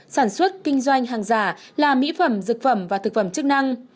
sản xuất kinh doanh hàng giả là mỹ phẩm dược phẩm và thực phẩm chức năng